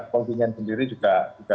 kontingen sendiri juga